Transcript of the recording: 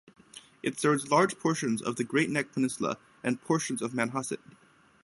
It serves large portions of the Great Neck Peninsula and portions of Manhasset.